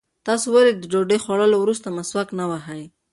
تاسې ولې د ډوډۍ خوړلو وروسته مسواک نه وهئ؟